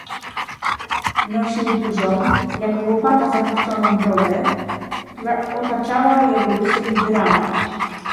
"Nosił dużą, jak łopata zapuszczoną brodę, która otaczała jego rysy niby rama."